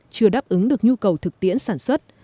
chưa đáp ứng được nhu cầu thực tiễn sản xuất